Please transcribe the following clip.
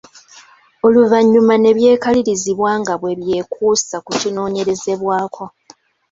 Oluvanyuma ne byekalirizibwa nga bwe byekuusa ku kinoonyerezebwako.